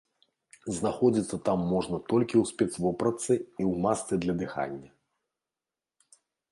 Знаходзіцца там можна толькі ў спецвопратцы і ў масцы для дыхання.